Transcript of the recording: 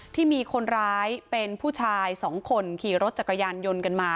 ที่มีคนร้ายเป็นผู้ชายสองคนขี่รถจักรยานยนต์กันมา